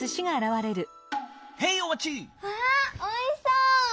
わあおいしそう！